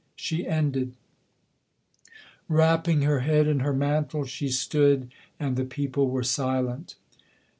She ended; Wrapping her head in her mantle she stood, and the people were silent.